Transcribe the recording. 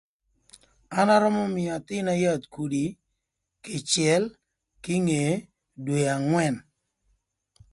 An arömö mïö athin-na yath kudi kïcël kinge dwe angwën.